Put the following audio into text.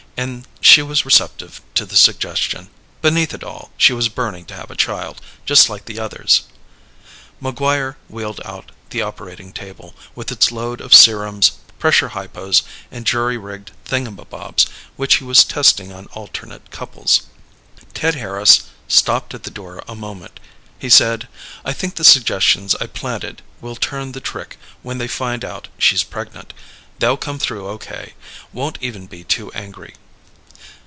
And she was receptive to the suggestion beneath it all, she was burning to have a child, just like the others." MacGuire wheeled out the operating table, with its load of serums, pressure hypos and jury rigged thingamabobs which he was testing on alternate couples. Ted Harris stopped at the door a moment. He said, "I think the suggestions I planted will turn the trick when they find out she's pregnant. They'll come through okay won't even be too angry."